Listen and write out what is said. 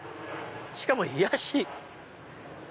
しかも冷やし。